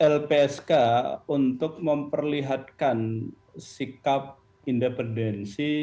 lpsk untuk memperlihatkan sikap independensi